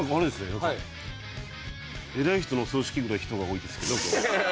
なんか偉い人の葬式ぐらい人が多いですけど。